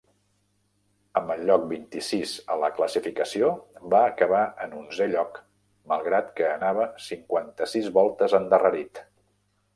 Amb el lloc vint-i-sis a la classificació, va acabar en onzè lloc malgrat que anava cinquanta-sis voltes endarrerit.